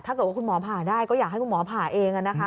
ถ้าเกิดว่าคุณหมอผ่าได้ก็อยากให้คุณหมอผ่าเอง